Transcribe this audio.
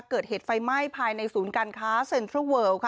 เกิดเหตุไฟไหม้ภายในศูนย์การค้าเซ็นทรัลเวิล